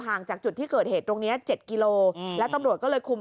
จากจุดที่เกิดเหตุตรงนี้๗กิโลแล้วตำรวจก็เลยคุม